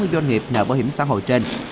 sáu mươi doanh nghiệp nợ bảo hiểm xã hội trên